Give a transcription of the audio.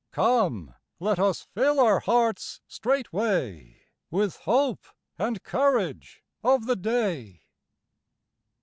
Come, let us fill our hearts straightway With hope and courage of the day.